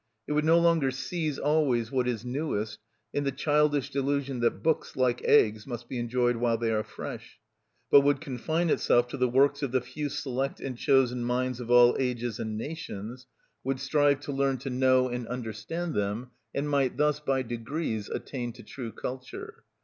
It would no longer seize always what is newest, in the childish delusion that books, like eggs, must be enjoyed while they are fresh, but would confine itself to the works of the few select and chosen minds of all ages and nations, would strive to learn to know and understand them, and might thus by degrees attain to true culture.